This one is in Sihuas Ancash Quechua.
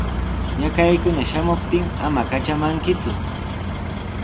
Ñakaykuna shamuptin ama katramankiku.